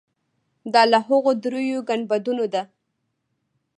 دا له هغو درېیو ګنبدونو ده.